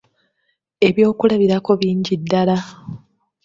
Ebyokulabirako bingi ddala.